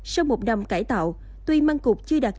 sau một năm cải tạo tuy mang cục chưa đạt chất